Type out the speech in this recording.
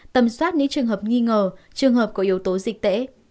tầm soát những trường hợp nghi ngờ trường hợp có yếu tố dịch tễ